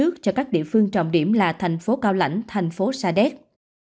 nước cho các địa phương trọng điểm là thành phố cao lãnh thành phố sa đéc